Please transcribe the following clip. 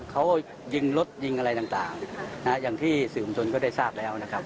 เขายิงรถยิงอะไรต่างอย่างที่สื่อมวลชนก็ได้ทราบแล้วนะครับ